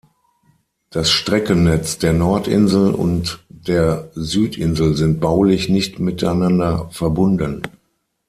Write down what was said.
Das Streckennetz der Nordinsel und der Südinsel sind baulich nicht miteinander verbunden.